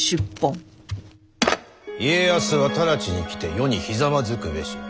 家康は直ちに来て余にひざまずくべし。